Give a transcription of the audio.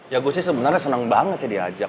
ya gue sih sebenarnya senang banget sih diajak